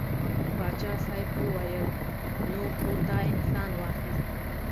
پاچا صاحب وویل نو خو تا انسان واخیست.